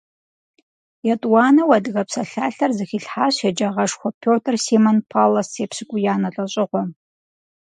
ЕтӀуанэу адыгэ псалъалъэр зэхилъхьащ еджагъэшхуэ Пётр Симон Паллас епщыкӀуиянэ лӀэщӀыгъуэм.